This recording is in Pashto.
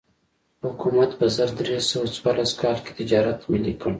حکومت په زر درې سوه څوارلس کال کې تجارت ملي کړ.